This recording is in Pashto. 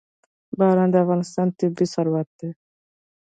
باران د افغانستان طبعي ثروت دی.